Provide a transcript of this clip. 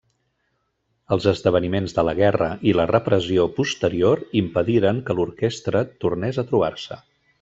Els esdeveniments de la guerra i la repressió posterior impediren que l'orquestra tornés a trobar-se.